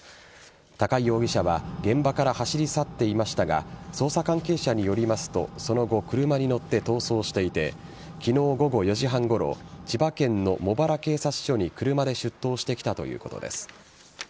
高井容疑者は現場から走り去っていましたが捜査関係者によりますとその後車に乗って逃走していて昨日午後４時半ごろ千葉県の茂原警察署に車で出頭してきたということです。